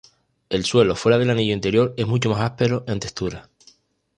El suelo fuera del anillo interior es mucho más áspero en textura.